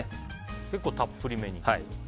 結構たっぷりめに。